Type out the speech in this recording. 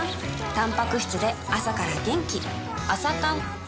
たんぱく質で朝から元気